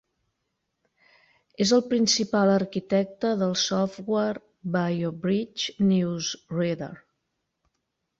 És el principal arquitecte del software BiogBridge Newsreader.